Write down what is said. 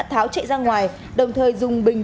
tháo chạy ra ngoài đồng thời dùng bình